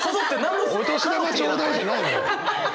「お年玉頂戴」じゃないのよ。